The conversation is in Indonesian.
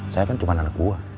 saya kan cuma anak buah